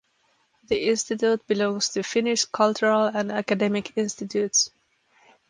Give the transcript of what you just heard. The institute belongs to Finnish Cultural and Academic Institutes.